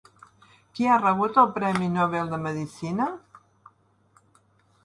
Qui ha rebut el premi Nobel de medicina?